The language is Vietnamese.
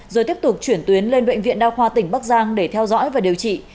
rồi tiếp tục chuyển tuyến lên bệnh viện đa khoa tỉnh bắc giang để theo dõi và điều trị